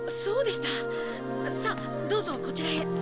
さあどうぞこちらへ。